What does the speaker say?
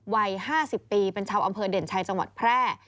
วัย๕๐ปีเป็นชาวอำเภอเด่นชัยจังหวัดแพร่